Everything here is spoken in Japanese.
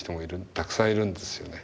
たくさんいるんですよね。